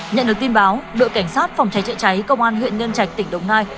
nhận được tin báo đội cảnh sát phòng cháy chữa cháy công an huyện nhân trạch tỉnh đồng nai